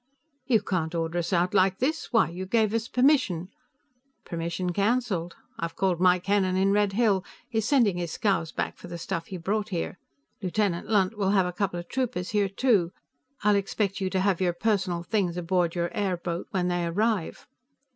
"You can't order us out like this. Why, you gave us permission " "Permission cancelled. I've called Mike Hennen in Red Hill; he's sending his scows back for the stuff he brought here. Lieutenant Lunt will have a couple of troopers here, too. I'll expect you to have your personal things aboard your airboat when they arrive."